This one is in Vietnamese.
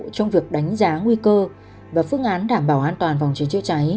trong việc đánh giá nguy cơ và phương án đảm bảo an toàn phòng cháy chữa cháy